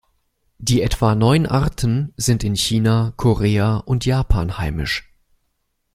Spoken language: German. Die etwa neun Arten sind in China, Korea und Japan heimisch.